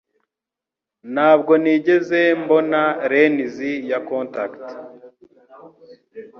Ntabwo nigeze mbona lens ya contact